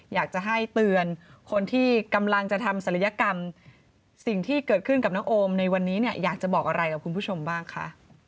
อยากจะให้เตือนคนที่กำลังจะทำศัลยกรรมสิ่งที่เกิดขึ้นกับน้องโอมในวันนี้เนี่ยอยากจะบอกอะไรกับคุณผู้ชมบ้างคะ